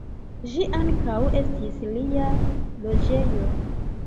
Ĝi ankaŭ estis lia loĝejo.